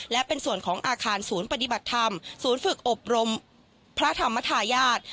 และเป็นส่วนของอาคารศูนย์ปฏิบัติธรรมศูนย์ฝึกอบรมพระธรรมทายาท